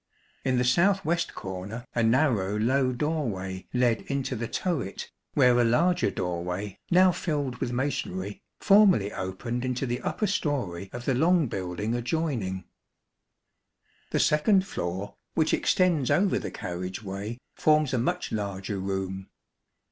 In the south west corner, a narrow low doorway led into the turret, where a larger doorway, now filled with masonry, formerly opened into the upper storey of the long building adjoining. 42 The second floor, which extends over the carriage way, forms a much larger room.